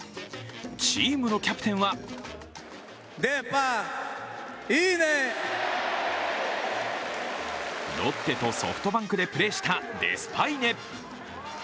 チームのキャプテンはロッテとソフトバンクでプレーしたデスパイネ。